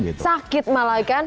akhirnya sakit malah kan